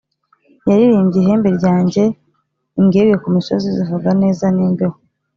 yaririmbye ihembe ryanjye, imbwebwe ku misozi zivuga neza n'imbeho,